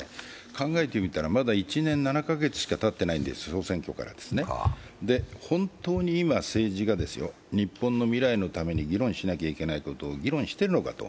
考えてみたら、まだ１年７か月しかたってないんです、小選挙から本当に今、政治が日本の未来のために議論しなければいけないことを議論しているのかと。